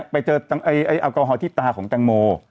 ไปเจอแอลกอฮอลที่ตาของแตงโม